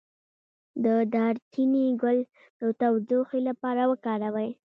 د دارچینی ګل د تودوخې لپاره وکاروئ